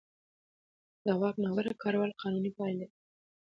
د واک ناوړه کارول قانوني پایلې لري.